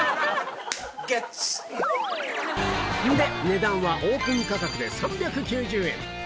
値段はオープン価格で３９０円